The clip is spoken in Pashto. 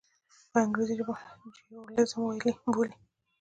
په انګریزي ژبه یې جیروزلېم بولي.